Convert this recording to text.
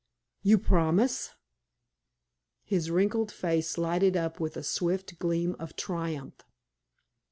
"You promise?" His wrinkled face lighted up with a swift gleam of triumph.